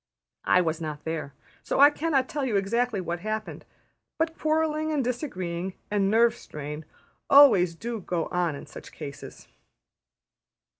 I was not there, so I cannot tell you exactly what happened; but quarrelling and disagreeing and nerve strain always do go on in such cases.